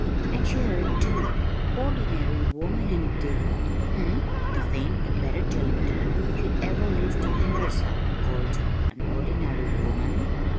And she heard, too! 'Ordinary woman,' indeed! Humph! To think that Betty Tillington should ever live to hear herself called an 'ordinary woman'!